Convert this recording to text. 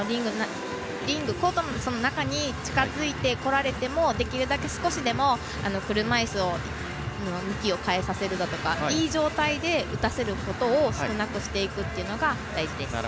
コートの中に近づいてこられてもできるだけ少しでも車いすの向きを変えさせるだとかいい状態で、打たせることを少なくしていくのが大事です。